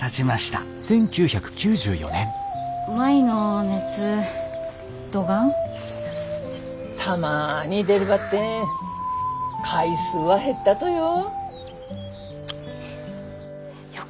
たまに出るばってん回数は減ったとよ。